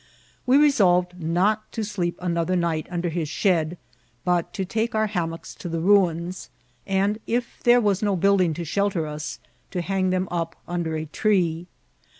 We resolved not to sleep another night under his shed, but to take ocnr hammocks to the ruins, and, if there was no build* ing to shelter us, to hang them up under a tree.